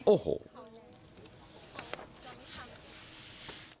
โอ้โห